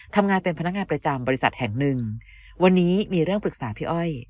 ทำงานเป็นพนักงานประจำบริษัทแห่งหนึ่งวันนี้มีเรื่องปรึกษาพี่อ้อย